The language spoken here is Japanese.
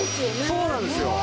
そうなんですよ。